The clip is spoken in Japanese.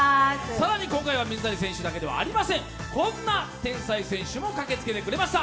更に今回は水谷選手だけではありませんこんな天才選手も駆けつけてくれました。